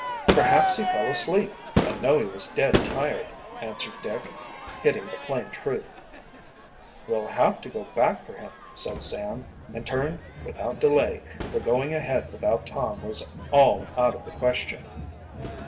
"Perhaps he fell asleep I know he was dead tired," answered Dick, hitting the plain truth. "We'll have to go back for him," said Sam, and turned without delay, for going ahead without Tom was all out of the question.